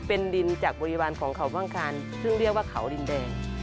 เป็นดินจากบริวารของเขาบ้างคานซึ่งเรียกว่าเขาดินแดง